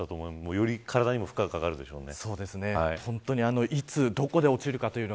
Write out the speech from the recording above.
より体にも負荷がかかるでしょうね。